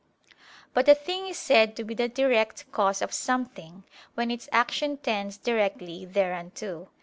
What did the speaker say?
But a thing is said to be the direct cause of something, when its action tends directly thereunto.